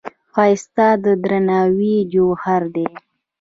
ښایست د درناوي جوهر دی